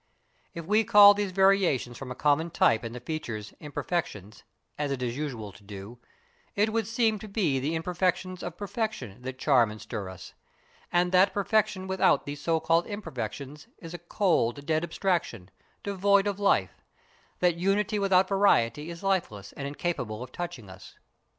If we call these variations from a common type in the features imperfections, as it is usual to do, it would seem to be the imperfections of perfection that charm and stir us; and that perfection without these so called imperfections is a cold, dead abstraction, devoid of life: that unity without variety is lifeless and incapable of touching us.